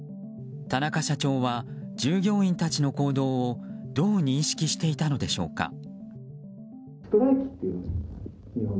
田中社長は従業員たちの行動をどう認識していたのでしょうか。